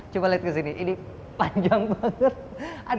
coba lihat ke sini ini panjang banget